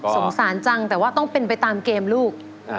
สงสารจังแต่ว่าต้องเป็นไปตามเกมลูก